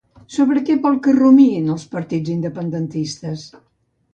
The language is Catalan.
Sobre què vol que rumiïn els partits independentistes?